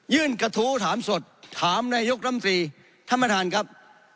กระทู้ถามสดถามนายกรัมตรีท่านประธานครับ